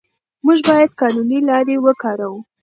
موږ باید قانوني لارې وکاروو.